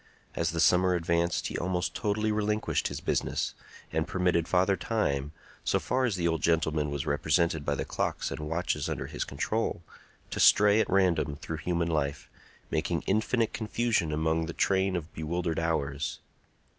As the summer advanced he almost totally relinquished his business, and permitted Father Time, so far as the old gentleman was represented by the clocks and watches under his control, to stray at random through human life, making infinite confusion among the train of bewildered hours.